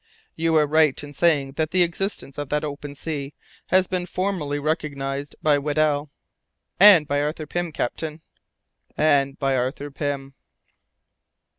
You were right in saying that the existence of that open sea has been formally recognized by Weddell." "And by Arthur Pym, captain." "And by Arthur Pym."